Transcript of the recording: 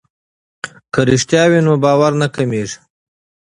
که رښتیا وي نو باور نه کمیږي.